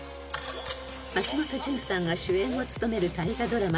［松本潤さんが主演を務める大河ドラマ